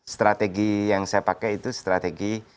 strategi yang saya pakai itu strategi